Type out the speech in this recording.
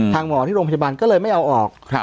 หมอที่โรงพยาบาลก็เลยไม่เอาออก